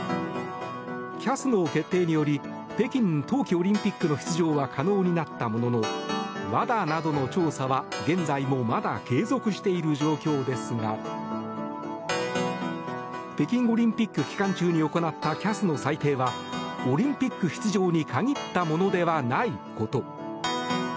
ＣＡＳの決定により北京冬季オリンピックの出場は可能になったもののＷＡＤＡなどの調査は現在もまだ継続している状況ですが北京オリンピック期間中に行ったＣＡＳの裁定はオリンピック出場に限ったものではないこと。